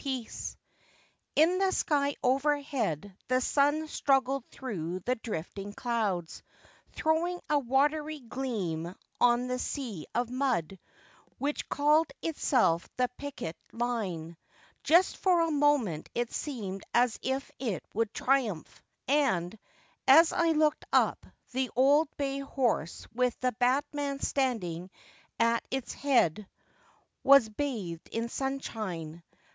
P. In the sky overhead the sun struggled through the drifting clouds, throwing a watery gleam on the sea of mud which called itself the picket line. Just for a moment it seemed as if it would triumph, and, as I looked up, the old bay horse with the batman standing at his head was bathed in sunshine.